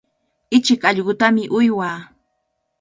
Ichik allqutami uywaa.